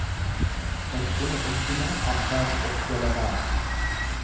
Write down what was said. Barcuma ulfinaa abbaatu of jala baata.